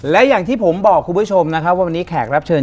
และอย่างที่ผมบอกคุณผู้ชมนะครับว่าวันนี้แขกรับเชิญ